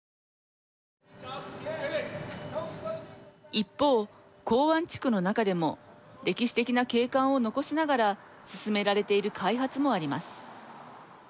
一方、港湾地区の中でも歴史的な景観を残しながら進められている開発もあります。